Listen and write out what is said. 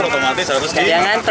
oh otomatis harus diantar